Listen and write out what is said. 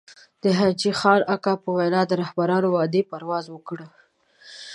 د حاجي خان اکا په وينا د رهبرانو وعدې پرواز وکړي.